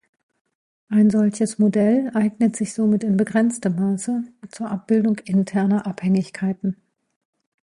Ein solches Modell eignet sich somit in begrenztem Maße zur Abbildung interner Abhängigkeiten.